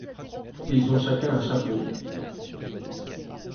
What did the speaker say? Ils ont chacun un chapeau.